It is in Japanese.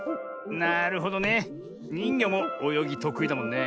なるほどね。にんぎょもおよぎとくいだもんね。